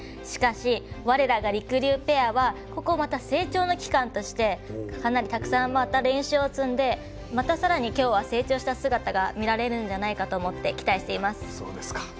しかし我らが、りくりゅうペアはここをまた成長の期間としてかなりたくさんまた練習を積んでまたさらにきょうは成長した姿が見られるんじゃないかと思って期待しています。